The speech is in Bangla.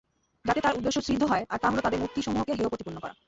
যাতে তার উদ্দেশ্য সিদ্ধ হয় আর তা হলো তাদের মূর্তিসমূহকে হেয়প্রতিপন্ন করা।